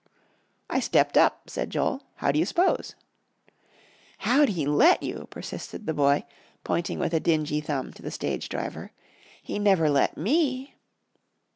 "I stepped up," said Joel; "how'd you s'pose?" "How'd he let you?" persisted the boy, pointing with a dingy thumb to the stage driver. "He never let me."